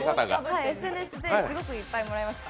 はい、ＳＮＳですごくいっぱいもらいました。